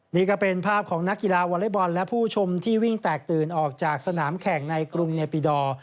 นี่ก็เป็นภาพของนักกีฬาวอเล็กบอลและผู้ชมที่วิ่งแตกตื่นออกจากสนามแข่งในกรุงเนปิดอร์